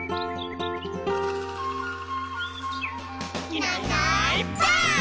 「いないいないばあっ！」